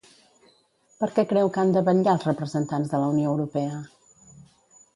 Per què creu que han de vetllar els representants de la Unió Europea?